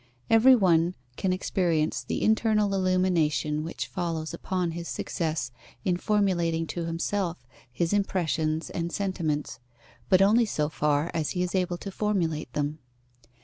Every one can experience the internal illumination which follows upon his success in formulating to himself his impressions and sentiments, but only so far as he is able to formulate them.